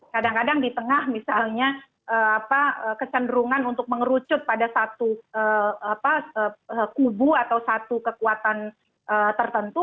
kadang kadang di tengah misalnya kecenderungan untuk mengerucut pada satu kubu atau satu kekuatan tertentu